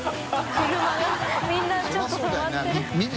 車がみんな舛腓辰とまってる。